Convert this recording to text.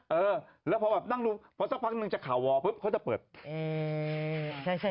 เออแล้วพอแบบนั่งดูพอสักพักนึงจะขาววอร์ปุ๊บเขาจะเปิด